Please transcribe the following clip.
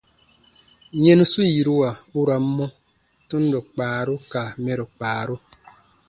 Yɛnusu yiruwa u ra n mɔ : tundo kpaaru ka mɛro kpaaru.